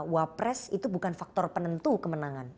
wapres itu bukan faktor penentu kemenangan